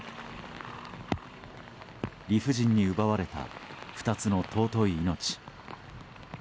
理不尽に奪われた２つの尊い命。